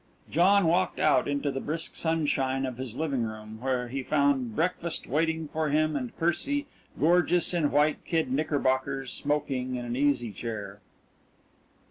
John walked out into the brisk sunshine of his living room, where he found breakfast waiting for him and Percy, gorgeous in white kid knickerbockers, smoking in an easy chair.